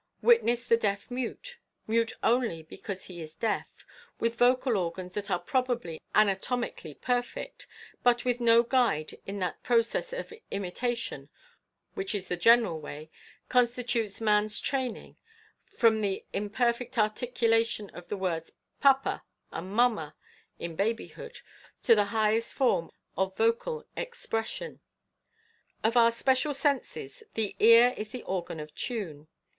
Witness the deaf mute — mute only because he is deaf — with vocal organs that are probably anatomically perfect, but with no guide in that process of imitation which, in the general way, constitutes man's training, from the im perfect articulation of the words 'papa' and 'mamma,' in babyhood, to the highest form of vocal expression. Of our special senses, the ear is the organ of tune.